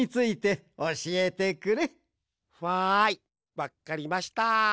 わっかりました。